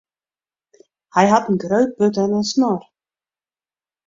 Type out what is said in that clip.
Hy hat in grut burd en in snor.